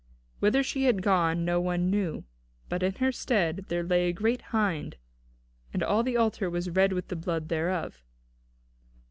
Whither she had gone no one knew; but in her stead there lay a great hind, and all the altar was red with the blood thereof.